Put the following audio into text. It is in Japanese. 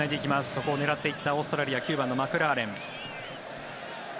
そこを狙っていくオーストラリア９番のマクラーレン。